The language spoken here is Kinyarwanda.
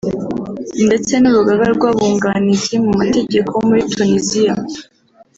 ndetse n’Urugaga rw’Abunganizi mu mategeko bo muri Tunisia